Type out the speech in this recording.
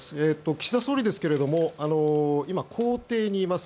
岸田総理ですが今、公邸にいます。